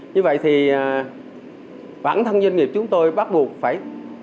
như vậy thì bản thân doanh nghiệp chúng tôi bắt buộc phải